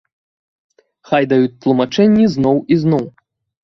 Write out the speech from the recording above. Хай даюць тлумачэнні зноў і зноў.